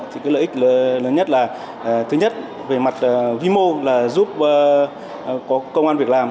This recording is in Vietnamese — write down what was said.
thì cái lợi ích lớn nhất là thứ nhất về mặt vi mô là giúp có công an việc làm